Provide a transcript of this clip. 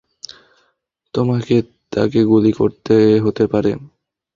তোমাকে তাকে গুলি করতে হতে পারে।